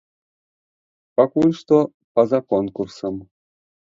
Пакуль што па-за конкурсам.